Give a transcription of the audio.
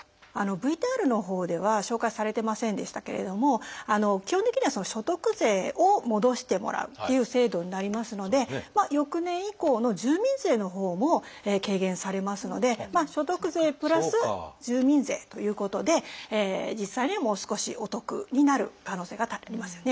ＶＴＲのほうでは紹介されてませんでしたけれども基本的には所得税を戻してもらうっていう制度になりますので翌年以降の住民税のほうも軽減されますので所得税プラス住民税ということで実際にはもう少しお得になる可能性が多々ありますよね。